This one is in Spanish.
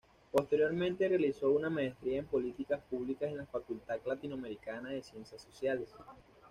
Posteriormente realizó una maestría en políticas públicas en la Facultad Latinoamericana de Ciencias Sociales.